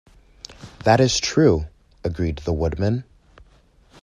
"That is true," agreed the Woodman.